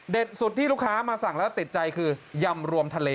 สุดที่ลูกค้ามาสั่งแล้วติดใจคือยำรวมทะเล